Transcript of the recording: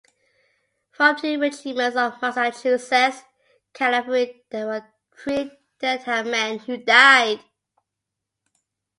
From two regiments of Massachusetts cavalry there were three Dedham men who died.